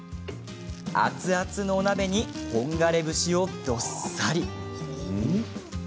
熱々のお鍋に本枯節をどっさり。